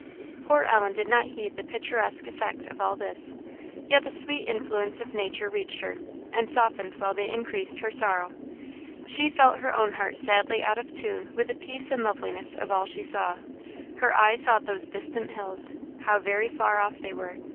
Poor Ellen did not heed the picturesque effect of all this, yet the sweet influences of nature reached her, and softened while they increased her sorrow. She felt her own heart sadly out of tune with the peace and loveliness of all she saw. Her eye sought those distant hills how very far off they were!